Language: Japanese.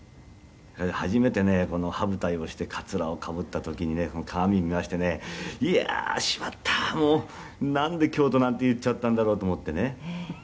「初めてねこの羽二重をしてカツラをかぶった時にね鏡見ましてねいやあしまったなんで京都なんて言っちゃったんだろうと思ってね」